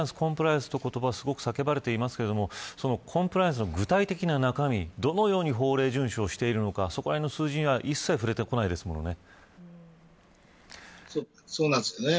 コンプライアンスという言葉、すごく叫ばれていますがそのコンプライアンスの具体的な中身、どういうふうに法令順守をしているのかそのあたりにはいっさい触れてこないですもんね。